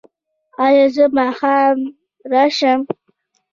ایا زه ماښام راشم؟